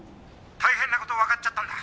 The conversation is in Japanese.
「大変な事わかっちゃったんだ」